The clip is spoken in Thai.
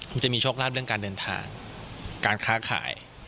มันจะมีโชคลาภเรื่องการเดินทางการค้าขาย